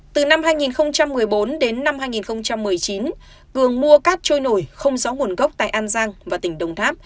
từ năm hai nghìn một mươi bốn đến năm hai nghìn một mươi chín cường mua cát trôi nổi không rõ nguồn gốc tại an giang và tỉnh đồng tháp